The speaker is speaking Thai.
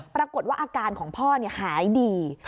ปรากฏว่าอาการของพ่อหายดี